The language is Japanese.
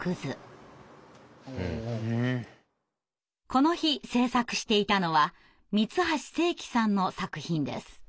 この日制作していたのは三橋精樹さんの作品です。